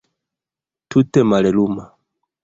Tute malluma.